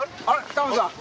タモリさん？